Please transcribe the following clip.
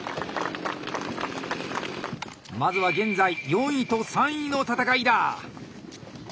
まずは現在４位と３位の戦いだ。